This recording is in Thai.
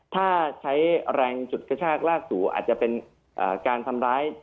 ถ้าใช้แรงจุดกระชากลากสู่อาจจะเป็นการทำร้าย